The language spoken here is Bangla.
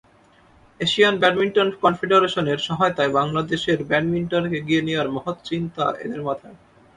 এশিয়ান ব্যাডমিন্টন কনফেডারেশনের সহায়তায় বাংলাদেশের ব্যাডমিন্টনকে এগিয়ে নেওয়ার মহৎ চিন্তা এদের মাথায়।